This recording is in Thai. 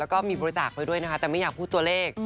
แล้วก็มีบริจาคไปด้วยนะคะแต่ไม่อยากพูดตัวเลข